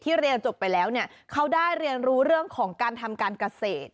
เรียนจบไปแล้วเนี่ยเขาได้เรียนรู้เรื่องของการทำการเกษตร